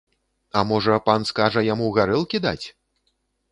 А можа, пан скажа яму гарэлкі даць?